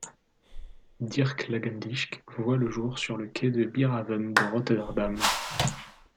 Dirk Langendijk voit le jour sur le quai du Bierhaven de Rotterdam.